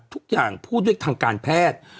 ทุกอย่างพูดด้วยทางการแพทย์